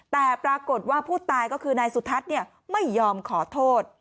แต่ปรากฏว่าผู้ตายก็คือนายสุทัศน์ไม่ยอมขอโทษ